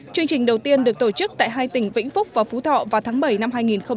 chương trình đầu tiên được tổ chức tại hai tỉnh vĩnh phúc và phú thọ vào tháng bảy năm hai nghìn hai mươi